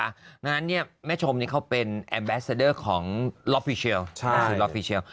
ดังนั้นเนี่ยแม่ชมเนี่ยเขาเป็นแอมแบสเซอเดอร์ของล็อฟฟิเชียล